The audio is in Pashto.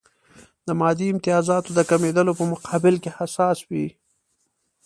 د مادي امتیازاتو د کمېدلو په مقابل کې حساس وي.